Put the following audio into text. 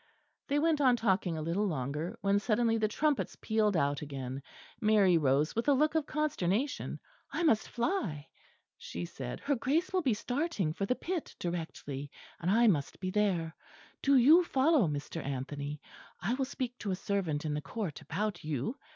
They went on talking a little longer; when suddenly the trumpets pealed out again. Mary rose with a look of consternation. "I must fly," she said, "her Grace will be starting for the pit directly; and I must be there. Do you follow, Mr. Anthony; I will speak to a servant in the court about you."